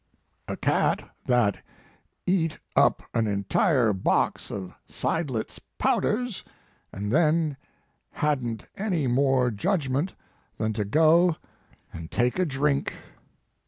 "A cat that eat up an entire box of Seidlitz powders, and then hadn t any more judgment than to go and take a drink."